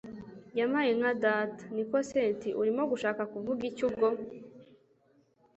yampayinka data! niko cynti! urimo gushaka kuvuga iki ubwo!